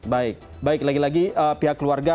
baik baik lagi lagi pihak keluarga